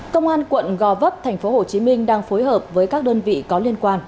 công an quận gò vấp thành phố hồ chí minh đang phối hợp với các đơn vị có liên quan